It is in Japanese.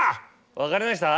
分かりました？